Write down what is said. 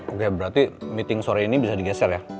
oke berarti meeting sore ini bisa digeser ya